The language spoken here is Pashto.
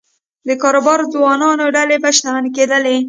د کاروباري ځوانانو ډلې به شتمن کېدلې